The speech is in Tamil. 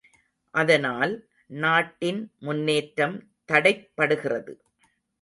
அதனால், நாட்டின் முன்னேற்றம் தடைப்படுகிறது.